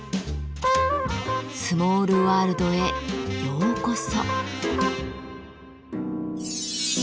スモールワールドへようこそ。